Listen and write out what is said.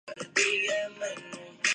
اسی پہ اکتفا نہ کیا۔